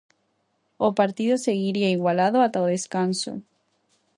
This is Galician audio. O partido seguiría igualado ata o descanso.